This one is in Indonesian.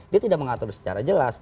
dia tidak mengatur secara jelas